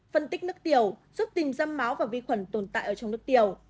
phân tích nước tiểu giúp tìm ra máu và vi khuẩn tồn tại ở trong nước tiểu